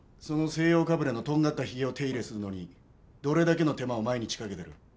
その西洋かぶれのとんがったヒゲを手入れするのにどれだけの手間を毎日かけてる？